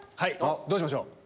どうしましょう？